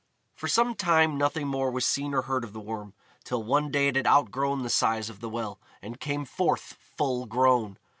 For some time nothing more was seen or heard of the Worm, till one day it had outgrown the size of the well, and came forth full grown.